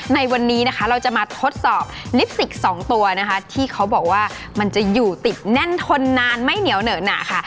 ในวันนี้นะคะเราจะมาทดสอบลิปสติกสองตัวนะคะที่เขาบอกว่ามันจะอยู่ติดแน่นทนนานไม่เหนียวเหนอหนาค่ะ